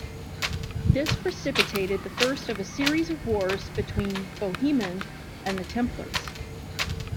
This precipitated the first of a series of wars between Bohemond and the Templars.